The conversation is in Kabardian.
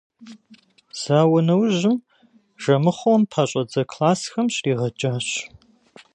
Зауэ нэужьым Жэмыхъуэм пэщӏэдзэ классхэм щригъэджащ.